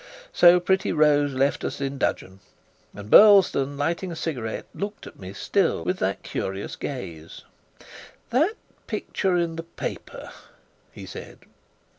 So pretty Rose left us in dudgeon; and Burlesdon, lighting a cigarette, looked at me still with that curious gaze. "That picture in the paper " he said.